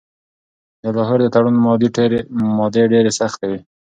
د لاهور د تړون مادې ډیرې سختې وې.